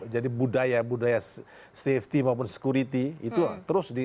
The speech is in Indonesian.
jadi budaya budaya safety maupun security itu terus di